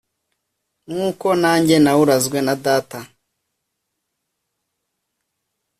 nk’uko nange nawurazwe na data.